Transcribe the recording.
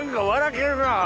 けるな。